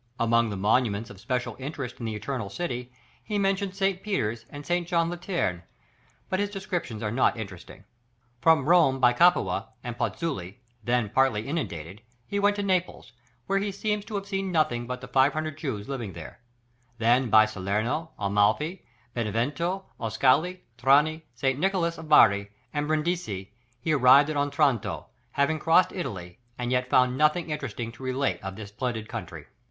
Among the monuments of special interest in the eternal city, he mentions St. Peter's and St. John Lateran, but his descriptions are not interesting. From Rome by Capua, and Pozzuoli, then partly inundated, he went to Naples, where he seems to have seen nothing but the five hundred Jews living there; then by Salerno, Amalfi, Benevento, Ascoli, Trani, St. Nicholas of Bari, and Brindisi, he arrived at Otranto, having crossed Italy and yet found nothing interesting to relate of this splendid country.